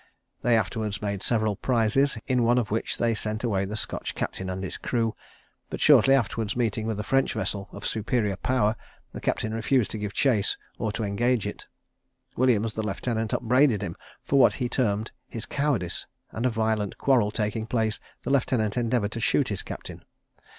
They afterwards made several prizes, in one of which they sent away the Scotch captain and his crew; but shortly afterwards meeting with a French vessel of superior power, the captain refused to give chase to or to engage it. Williams, the lieutenant, upbraided him for what he termed his cowardice, and a violent quarrel taking place, the lieutenant endeavoured to shoot his captain.